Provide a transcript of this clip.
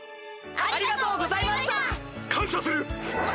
ありがとうございました！感謝する！